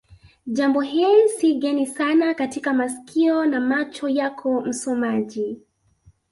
jambo hili si geni sana katika masikio na macho yako msomaji